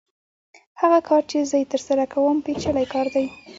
هغه کار چې زه یې ترسره کوم پېچلی کار دی